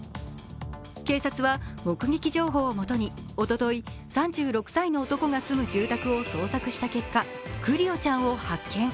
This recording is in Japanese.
警察は目撃情報をもとにおととい、３６歳の男が住む住宅を捜索した結果クリオちゃんを発見。